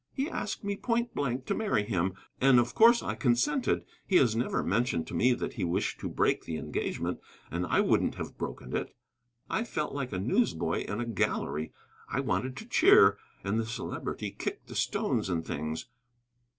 "He asked me point blank to marry him, and of course I consented. He has never mentioned to me that he wished to break the engagement, and I wouldn't have broken it." I felt like a newsboy in a gallery, I wanted to cheer. And the Celebrity kicked the stones and things.